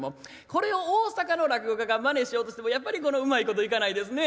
これを大阪の落語家がまねしようとしてもやっぱりうまいこといかないですね。